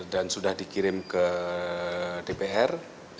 dan sudah dikirim ke dpr